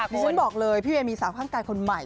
ฉันบอกเลยพี่เวย์มีสาวข้างกายคนใหม่